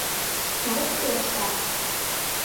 まるつけをした。